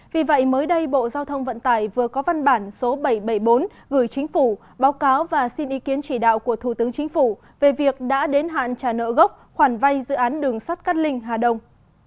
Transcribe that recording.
vì vậy mới đây bộ giao thông vận tải vừa có văn bản số bảy trăm bảy mươi bốn gửi chính phủ báo cáo và xin ý kiến chỉ đạo của thủ tướng chính phủ về việc đã đến hạn trả nợ gốc khoản vay dự án đường sắt cát linh hà đông